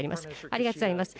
ありがとうございます。